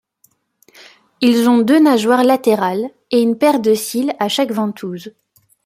Ils ont deux nageoires latérales et une paire de cils à chaque ventouses.